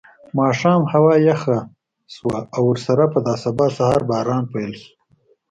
ماښام هوا یخه شوه او ورسره په دا سبا سهار باران پیل شو.